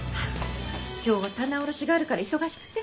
今日は棚卸しがあるから忙しくて。